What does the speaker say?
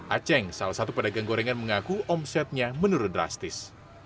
aceng salah satu pedagang gorengan mengaku omsetnya menurun drastis